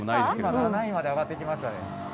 今７位まで上がってきました